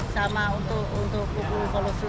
sama untuk kuku kolosunya